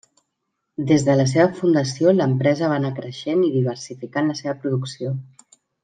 Des de la seva fundació l'empresa va anar creixent i diversificant la seva producció.